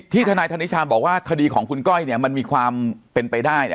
ทนายธนิชาบอกว่าคดีของคุณก้อยมันมีความเป็นไปได้